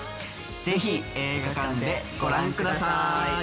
ぜひ映画館でご覧ください。